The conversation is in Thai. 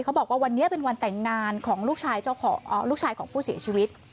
เขาบอกว่าวันนี้เป็นวันแต่งงานของลูกชายของผู้เสียชีวิต